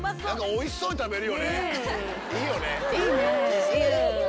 おいしそうに食べる。